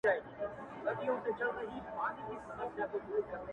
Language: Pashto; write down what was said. • لکه میندي هسي لوڼه لکه ژرندي هسي دوړه ,